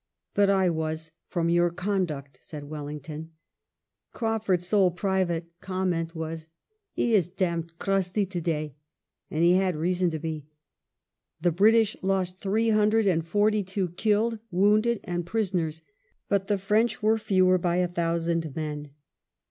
" But I was from your conduct," said Wellington. Crauf urcTs sole private comment was, "He is d d crusty to day," — and he had reason to be. The British lost three hundred and forty two killed, wounded, and prisoners, but the French were fewer by a thousand men.